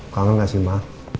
kangen gak sih ma